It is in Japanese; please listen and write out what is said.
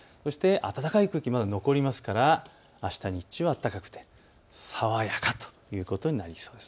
暖かい空気がまだ残りますからあした日中は暖かい、爽やかということになりそうです。